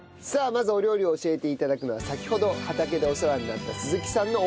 まずお料理を教えて頂くのは先ほど畑でお世話になった鈴木さんの奥様です。